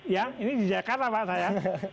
ya ini di jakarta pak saya